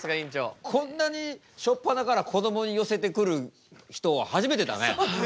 こんなに初っぱなからこどもに寄せてくる人は初めてだね。